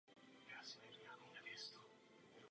Zároveň zastával funkci okresního starosty ve Štětí.